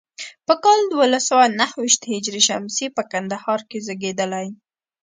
په کال دولس سوه نهو ویشت هجري شمسي په کندهار کې زیږېدلی.